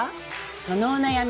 そのお悩み